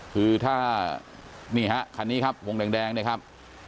คือถ้าอันนี้ครับห่วงแดงนะครับ